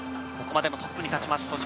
ここまでのトップに立ちます